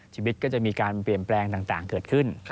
ชีวิตก็จะมีการเปลี่ยนแปลงต่างเกิดขึ้น